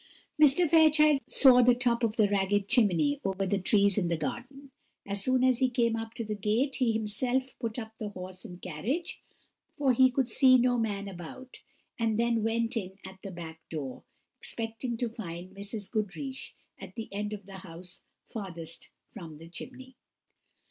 Mr. Fairchild saw the top of the ragged chimney over the trees in the garden. As soon as he came up to the gate, he himself put up the horse and carriage, for he could see no man about, and then went in at the back door, expecting to find Mrs. Goodriche at that end of the house farthest from the chimney.